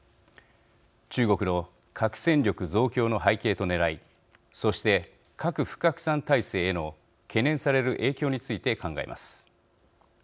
中国の核戦力増強の背景とねらいそして核不拡散体制への懸念される影響について考えます。